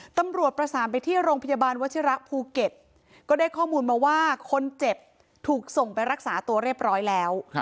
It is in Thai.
ตำรวจประสานไปที่โรงพยาบาลวชิระภูเก็ตก็ได้ข้อมูลมาว่าคนเจ็บถูกส่งไปรักษาตัวเรียบร้อยแล้ว